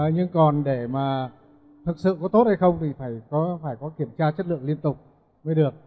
nhưng còn để mà thực sự có tốt hay không thì phải có kiểm tra chất lượng liên tục mới được